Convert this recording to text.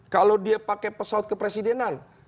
kalau dia pakai pesawat kepresidenan